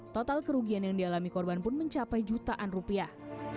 total kerugian yang dialami korban pun mencapai jutaan rupiah